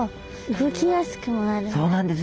動きやすくもなるんだ。